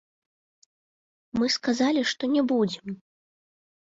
Мы сказалі, што не будзем.